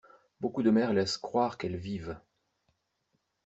Beaucoup de mères laissent croire qu'elles vivent.